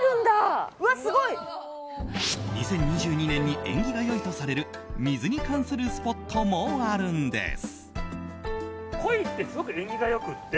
２０２２年に縁起が良いとされる水に関するスポットもあるんです。